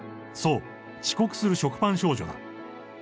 そう、遅刻する食パン少女だ。